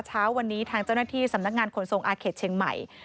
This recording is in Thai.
เช้าวันนี้ทางเจ้าหน้าที่สำนักงานขนส่งอาเขตเชียงใหม่